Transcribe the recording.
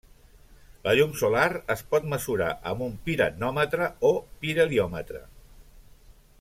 La llum solar es pot mesurar amb un piranòmetre o pirheliòmetre.